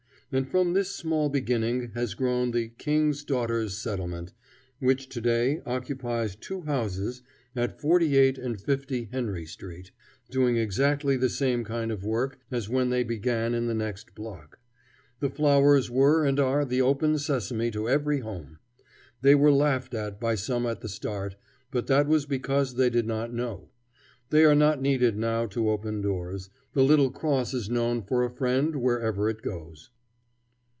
And from this small beginning has grown the King's Daughters' settlement, which to day occupies two houses at 48 and 50 Henry Street, doing exactly the same kind of work as when they began in the next block. The flowers were and are the open sesame to every home. They wrere laughed at by some at the start; but that was because they did not know. They are not needed now to open doors; the little cross is known for a friend wherever it goes.